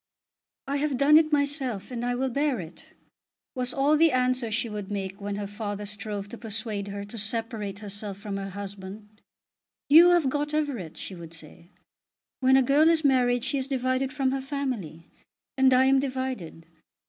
"I have done it myself, and I will bear it," was all the answer she would make when her father strove to persuade her to separate herself from her husband. "You have got Everett," she would say. "When a girl is married she is divided from her family; and I am divided."